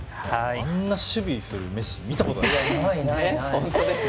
あんなに守備するメッシ見たことないですよ。